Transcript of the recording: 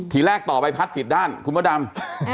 ทีแรกต่อใบพัดผิดด้านคุณพ่อดำ